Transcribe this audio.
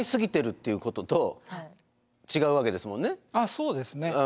そうですね。